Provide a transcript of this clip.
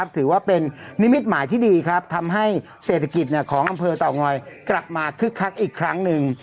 ถือว่าเป็นนิมิตหมายที่ดีครับทำให้เศรษฐกิจของอำเภอเต่างอยกลับมาคึกคักอีกครั้งหนึ่ง